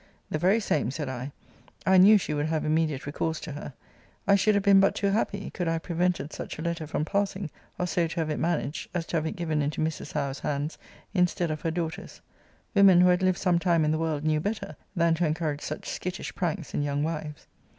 The very same, said I; I knew she would have immediate recourse to her. I should have been but too happy, could I have prevented such a letter from passing, or so to have it managed, as to have it given into Mrs. Howe's hands, instead of her daughter's. Women who had lived some time in the world knew better, than to encourage such skittish pranks in young wives.